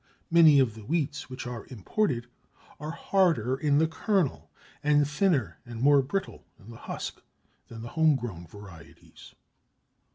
Many of the wheats which are imported are harder in the kernel, and thinner and more brittle in the husk, than the home grown varieties.